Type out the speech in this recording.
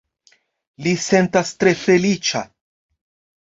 Li sentas tre feliĉa